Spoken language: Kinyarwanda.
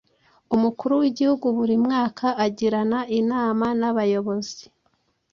umukuru w’igihugu buri mwaka agirana inama nabayobozi